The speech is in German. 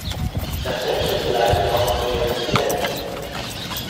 Das menschliche Leid in Nordkorea ist immens.